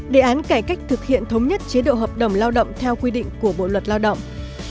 đề án cải cách thực hiện thống nhất chế độ hợp đồng lao động theo quy định của bộ luật lao động